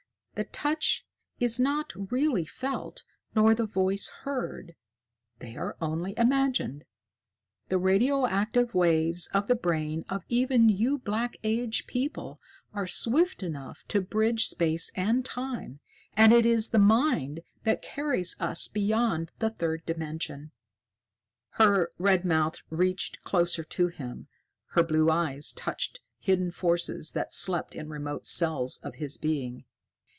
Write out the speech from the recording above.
The touch is not really felt nor the voice heard: they are only imagined. The radioactive waves of the brain of even you Black Age people are swift enough to bridge Space and Time. And it is the mind that carries us beyond the third dimension." Her red mouth reached closer to him, her blue eyes touched hidden forces that slept in remote cells of his being.